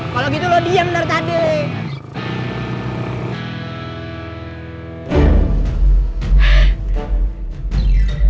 kalo gitu lo diam ntar tadi